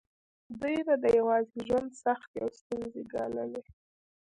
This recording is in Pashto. دوی به د یوازې ژوند سختې او ستونزې ګاللې.